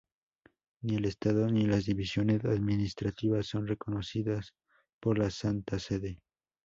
Ni el estado ni las divisiones administrativas son reconocidas por la Santa Sede.